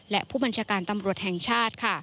และผู้บัญชาการตำรวจแห่งชาติ